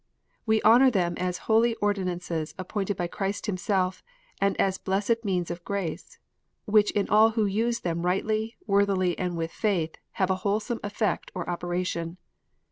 We honour them as holy ordinances appointed by Christ Himself, and as blessed means of grace, which in all who use them rightly, worthily, and with faith, " have a wholesome effect or operation."